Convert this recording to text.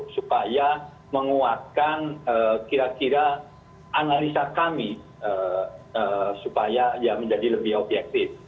supaya menguatkan kira kira analisa kami supaya ya menjadi lebih objektif